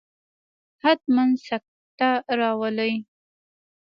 حتما سکته راولي.